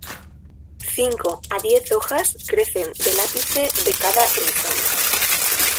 Cinco a diez hojas crecen del ápice de cada rizoma.